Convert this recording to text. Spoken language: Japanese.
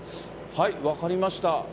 分かりました。